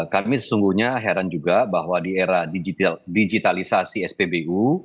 kami sesungguhnya heran juga bahwa di era digitalisasi spbu